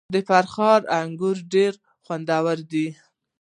د فخری انګور ډیر خوندور دي.